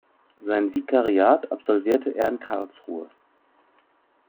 Sein Vikariat absolvierte er in Karlsruhe.